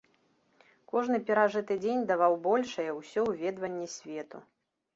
Кожны перажыты дзень даваў большае ўсё ўведванне свету.